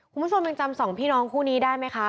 คุณผู้ชมยังจำสองพี่น้องคู่นี้ได้ไหมคะ